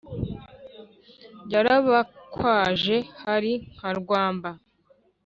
yarabakwaje bari nka rwamba.